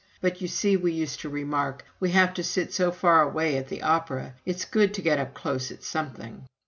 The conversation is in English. But you see, we used to remark, we have to sit so far away at the opera, it's good to get up close at something!